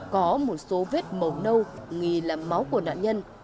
có một số vết màu nâu nghi là máu của nạn nhân